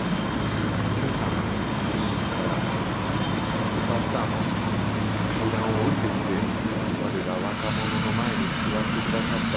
健さんがあの日からスーパースターの階段を下りてきて我ら若者の前に座ってくださったような。